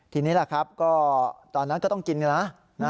ทีนี้แหละครับก็ตอนนั้นก็ต้องกินกันนะ